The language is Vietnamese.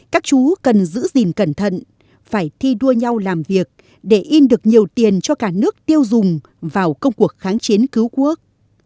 các chú cần giữ gìn cẩn thận phải thi đua nhau làm việc để in được nhiều tiền cho cả nước tiêu dùng vào công cuộc kháng chiến cứu quốc